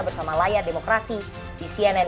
bersama layar demokrasi di cnn